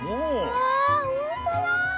うわほんとだ！